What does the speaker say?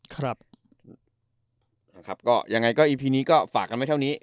ครับนะครับก็ยังไงก็อีพีนี้ก็ฝากกันไว้เท่านี้